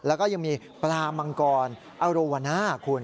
แล้วก็ยังมีปลามังกรอโรวาน่าคุณ